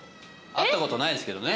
会ったことないですけどね。